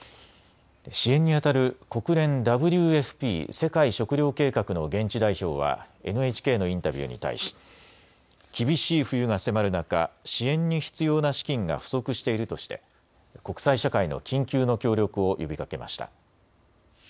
支援にあたる国連ＷＦＰ・世界食糧計画の現地代表はＮＨＫのインタビューに対し、厳しい冬が迫る中、支援に必要な資金が不足しているとして国際社会の緊急の協力を呼びかけました。